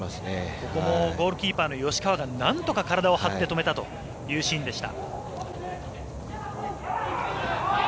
ここもゴールキーパーの吉川がなんとか体を張って止めたというシーンでした。